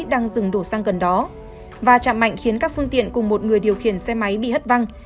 đang dừng đổ xăng gần đó và chạm mạnh khiến các phương tiện cùng một người điều khiển xe máy bị hất văng